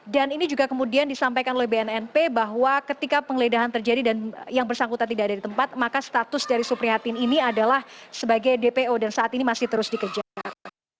dan ini juga kemudian disampaikan oleh bnnp bahwa ketika pengledahan terjadi dan yang bersangkutan tidak ada di tempat maka status dari suprihatin ini adalah sebagai dpo dan saat ini masih terus dikejar